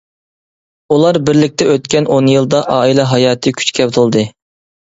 ئۇلار بىرلىكتە ئۆتكەن ئون يىلدا، ئائىلە ھاياتىي كۈچكە تولدى.